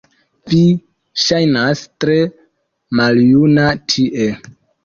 Vi ŝajnas tre maljuna tie